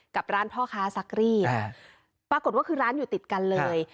กับร้านพ่อค้าซักรีดปรากฏว่าคือร้านอยู่ติดกันเลย